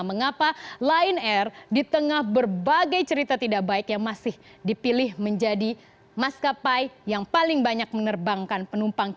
mengapa lion air di tengah berbagai cerita tidak baik yang masih dipilih menjadi maskapai yang paling banyak menerbangkan penumpang